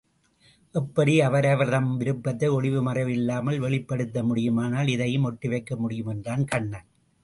எப்படி? அவரவர் தம் விருப்பத்தை ஒளிவுமறைவு இல்லாமல் வெளிப்படுத்த முடியுமானால் இதையும் ஒட்டி வைக்க முடியும் என்றான் கண்ணன்.